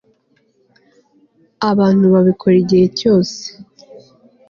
abantu babikora igihe cyose